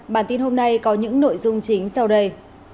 bản tin hôm nay có những nội dung chính sau đây